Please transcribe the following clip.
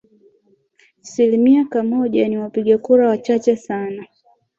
slimia kamoja ni wapiga kura wachache sana